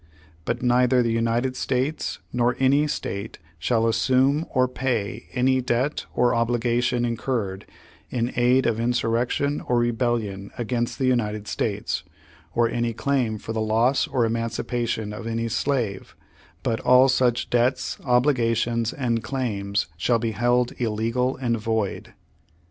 But neither the United States nor any State shall assume or pay any debt or obliaation incurred in aid of insurrection or rebel Page One Hundred seveuty seven lion against the United States, oi' any claim for the loss or emancipation of any slave; but all such debts, obliga tions, and claims shall be held illegal and void.